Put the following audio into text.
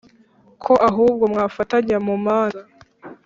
ko ahubwo mwafatanya mu manza